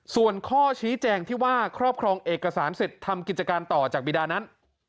ส่วนข้อชี้แจงที่ว่าครอบครองเอกสารสิทธิ์ทำกิจการต่อจากบีดานั้น